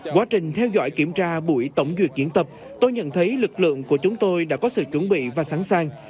quá trình theo dõi kiểm tra buổi tổng duyệt diễn tập tôi nhận thấy lực lượng của chúng tôi đã có sự chuẩn bị và sẵn sàng